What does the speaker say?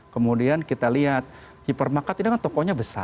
kemudian kita lihat hipermarket ini kan tokonya besar